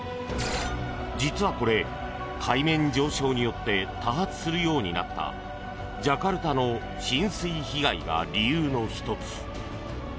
実はこれ、海面上昇によって多発するようになったジャカルタの浸水被害が理由の１つ。